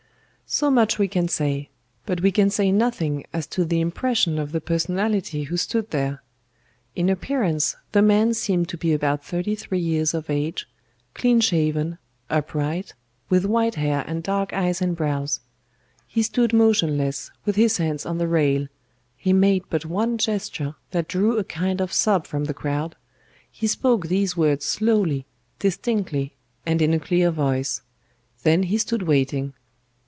"So much we can say; but we can say nothing as to the impression of the personality who stood there. In appearance the man seemed to be about thirty three years of age, clean shaven, upright, with white hair and dark eyes and brows; he stood motionless with his hands on the rail, he made but one gesture that drew a kind of sob from the crowd, he spoke these words slowly, distinctly, and in a clear voice; then he stood waiting.